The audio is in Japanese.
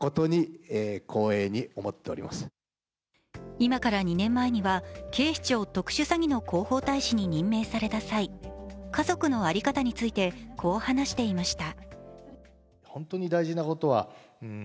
今から２年前には、警視庁特殊詐欺の広報大使に任命された際、家族の在り方についてこう話していました。